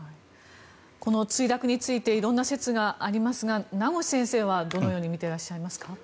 この墜落について色んな説がありますが名越先生はどのように見ていらっしゃいますか。